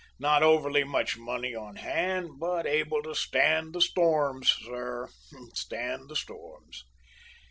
Not overly much money on hand, but able to stand the storms, sir, stand the storms."